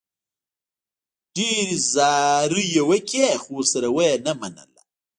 ډېرې زارۍ یې وکړې، خو ورسره و یې نه منله.